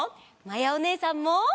まやおねえさんも！